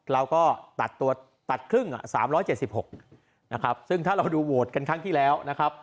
เราก็ตัดตัวตัดครึ่ง๓๗๖นะครับซึ่งถ้าเราดูโหวตกันครั้งที่แล้วนะครับ